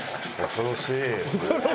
「“恐ろしい”。